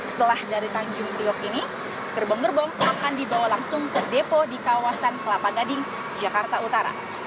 setelah dari tanjung priok ini gerbong gerbong akan dibawa langsung ke depo di kawasan kelapa gading jakarta utara